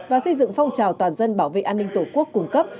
và xây dựng phong trào toàn dân bảo vệ an ninh tổ quốc cung cấp